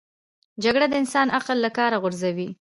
جګړه د انسان عقل له کاره غورځوي